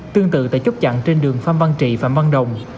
tương tự tại chốt chặn trên đường pham văn trị và văn đồng